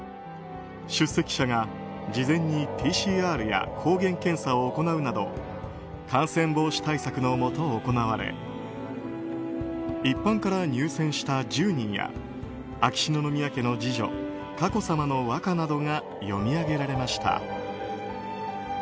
出席者が事前にＰＣＲや抗原検査を行うなど感染防止対策のもと行われ一般から入選した１０人や秋篠宮家の次女・佳子さまの和歌などが詠み上げられました。